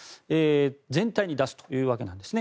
全体に出すというわけなんですね。